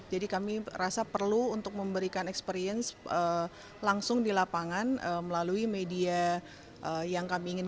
jadi kami rasa perlu untuk memberikan experience langsung di lapangan melalui media yang kami ingin